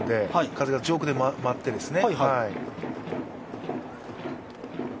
風が上空で回ってね。